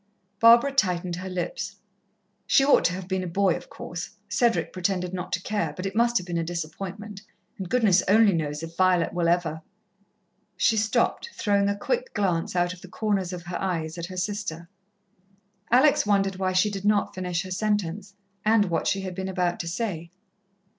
Barbara tightened her lips. "She ought to have been a boy, of course. Cedric pretended not to care, but it must have been a disappointment and goodness only knows if Violet will ever " She stopped, throwing a quick glance out of the corners of her eyes at her sister. Alex wondered why she did not finish her sentence, and what she had been about to say.